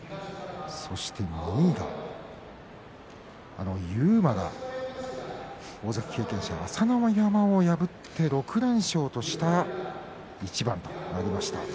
そして２位が勇磨が大関経験者、朝乃山を破って６連勝とした一番となりました。